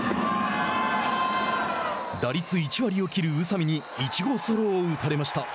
打率１割を切る宇佐見に１号ソロを打たれました。